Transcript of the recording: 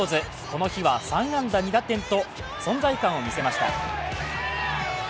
この日は３安打２打点と存在感を見せました。